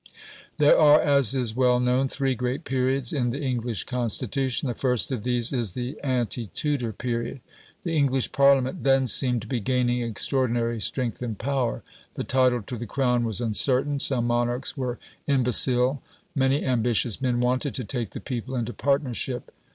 There are, as is well known, three great periods in the English Constitution. The first of these is the ante Tudor period. The English Parliament then seemed to be gaining extraordinary strength and power. The title to the Crown was uncertain; some monarchs were imbecile. Many ambitious men wanted to "take the people into partnership".